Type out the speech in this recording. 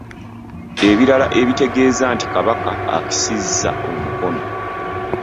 Ebirala ebitegeeza nti Kabaka akisizza omukono